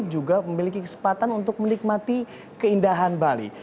juga memiliki kesempatan untuk menikmati keindahan bali